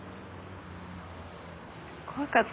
怖かった。